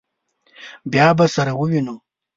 بیا به سره ووینو.